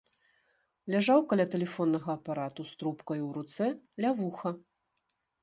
Ляжаў каля тэлефоннага апарату з трубкаю ў руцэ ля вуха.